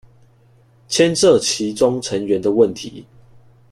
牽涉其中成員的問題